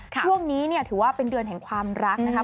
ช่วงนี้เนี่ยถือว่าเป็นเดือนแห่งความรักนะครับ